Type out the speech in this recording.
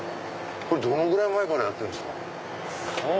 どのぐらい前からやってるんですか？